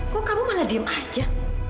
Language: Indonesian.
kok kamu malah diem aja